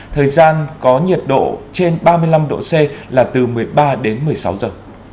thời gian có nhiệt độ trên ba mươi năm độ c là từ một mươi ba đến một mươi sáu giờ